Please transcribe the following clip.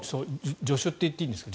助手と言っていいんですか？